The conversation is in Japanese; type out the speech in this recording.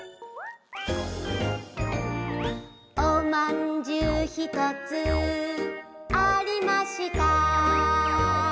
「おまんじゅうひとつありました」